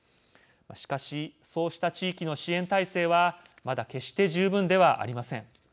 しかし、そうした地域の支援体制はまだ決して十分ではありません。